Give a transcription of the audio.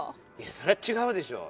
そりゃちがうでしょ。